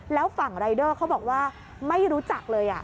แล้วฝั่งรายเดอร์เขาบอกว่าไม่รู้จักเลย